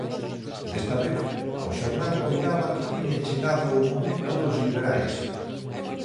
Desta vez, o xornal coidaba que tiña chegado o momento dos liberais.